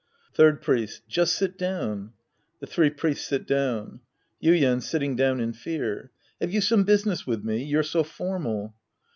Third Priest. Just sit down. (^he three Priests sit down.) Yuien {sitting down in fear). Have you some busi ness with me ? You're so formal.